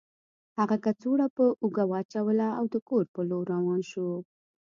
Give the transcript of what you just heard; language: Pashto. هغه کڅوړه په اوږه واچوله او د کور په لور روان شو